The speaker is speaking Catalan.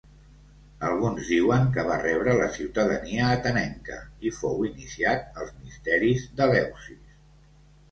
Alguns diuen que va rebre la ciutadania atenenca i fou iniciat als misteris d'Eleusis.